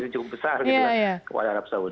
cukup besar cukup besar gitu ya